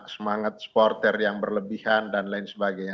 semangat supporter yang berlebihan dan lain sebagainya